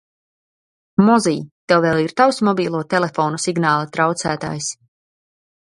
Mozij, tev vēl ir tavs mobilo telefonu signāla traucētājs?